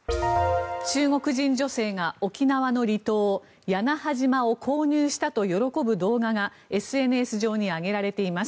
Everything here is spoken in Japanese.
中国人女性が沖縄の離島屋那覇島を購入したと喜ぶ動画がＳＮＳ上に挙げられています。